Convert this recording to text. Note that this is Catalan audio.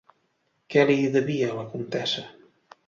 Què li devia la comtessa?